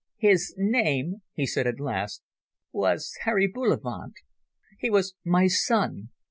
"His name," he said at last, "was Harry Bullivant. He was my son.